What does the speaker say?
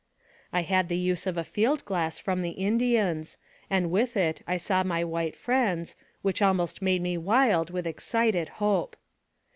152 NARRATIVE OF CAPTIVITY I had the use of a field glass from the Indians, and with it I saw my white friends, which almost made me wild with excited hope.